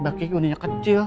mbak kiki uninya kecil